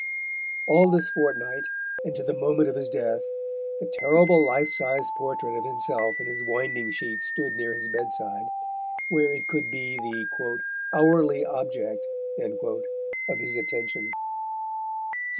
All this fortnight and to the moment of his death, the terrible life sized portrait of himself in his winding sheet stood near his bedside, where it could be the "hourly object" of his attention.